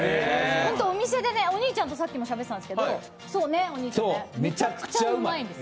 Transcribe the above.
ホントお店で、お兄ちゃんとさっきもしゃべってたんですけどめちゃくちゃうまいんです。